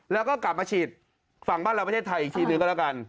แล้วก็กลับมาฉีดฝั่งบ้านเราประเทศไทยอีกทีหนึ่งก็แล้วกัน